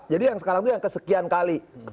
jadi yang sekarang itu yang kesekian kali